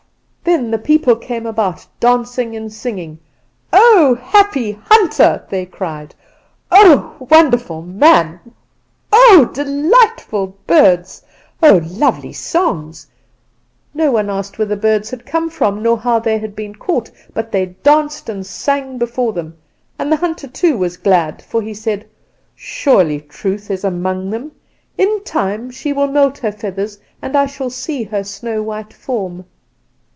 "Then the people came about dancing and singing. "'Oh, happy hunter!' they cried. 'Oh, wonderful man! Oh, delightful birds! Oh, lovely songs!' "No one asked where the birds had come from, nor how they had been caught; but they danced and sang before them. And the hunter too was glad, for he said: "'Surely Truth is among them. In time she will moult her feathers, and I shall see her snow white form.